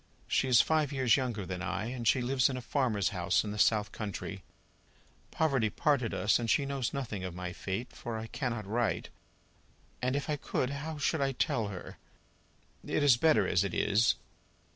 She is five years younger than I, and she lives in a farmer's house in the south country. Poverty parted us, and she knows nothing of my fate for I cannot write and if I could, how should I tell her! It is better as it is." "Yes, yes: better as it is."